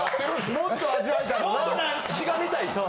もっと味わいたいよな？